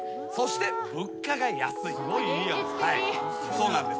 そうなんです。